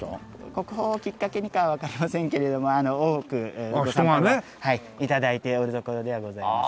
国宝をきっかけにかはわかりませんけれども多くご参拝頂いているところではございます。